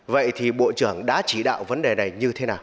vậy thì bộ trưởng đã chỉ đạo vấn đề này như thế nào